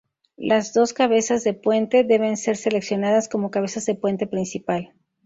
Las dos cabezas de puente deben ser seleccionadas como cabezas de puente principal.